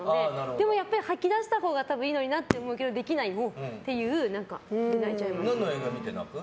でも、やっぱり吐き出したほうがいいのになって思うのにできないっていうので何の映画見て泣く？